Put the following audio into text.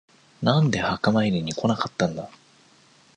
なんで墓参りに来なかったんだ。